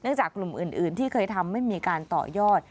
จากกลุ่มอื่นที่เคยทำไม่มีการต่อยอด